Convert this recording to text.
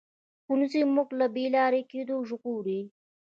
ښوونځی موږ له بې لارې کېدو ژغوري